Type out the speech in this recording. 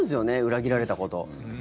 裏切られたこと。